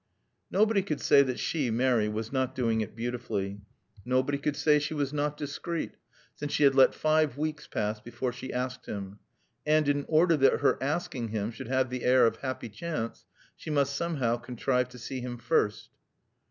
Nobody could say that she, Mary, was not doing it beautifully. Nobody could say she was not discreet, since she had let five weeks pass before she asked him. And in order that her asking him should have the air of happy chance, she must somehow contrive to see him first.